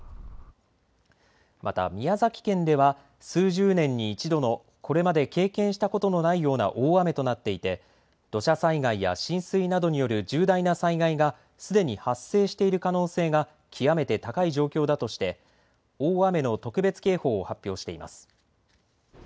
また、宮崎県では数十年に一度のこれまで経験したことのないような大雨となっていて、土砂災害や浸水などによる重大な災害がすでに発生している可能性が極めて高い状況だとして大雨の特別警報を発表しています。